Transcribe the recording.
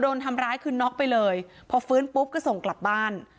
โดนทำร้ายคือน็อกไปเลยพอฟื้นปุ๊บก็ส่งกลับบ้าน